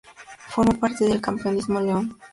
Formó parte del "Campeonísimo" León.